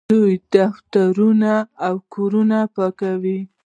دوی دفترونه او کورونه پاکوي.